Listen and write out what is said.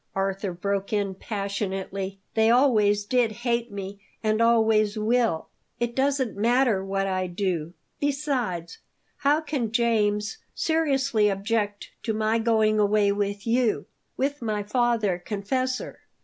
Arthur broke in passionately. "They always did hate me and always will it doesn't matter what I do. Besides, how can James seriously object to my going away with you with my father confessor?"